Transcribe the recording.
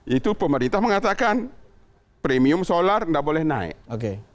itu pemerintah mengatakan premium solar tidak boleh naik